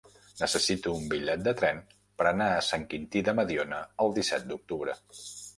Necessito un bitllet de tren per anar a Sant Quintí de Mediona el disset d'octubre.